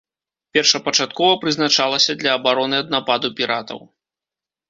Першапачаткова прызначалася для абароны ад нападу піратаў.